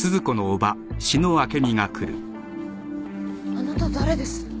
あなた誰です？